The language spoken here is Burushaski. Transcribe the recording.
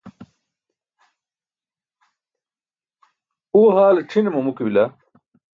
Uwe haale ćʰi̇ne mamu ke bila.